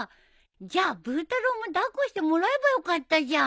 じゃあブー太郎も抱っこしてもらえばよかったじゃん。